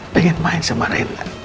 pengen main sama rena